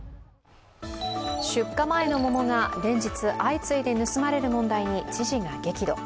出荷前の桃が連日相次いで盗まれる問題に知事が激怒。